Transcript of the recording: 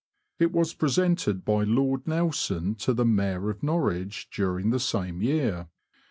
It was presented by Lord Nelson to the Mayor of Norwich during the same year.